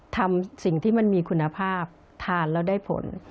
ทำสิ่งที่มันมีคุณภาพทานแล้วได้ผล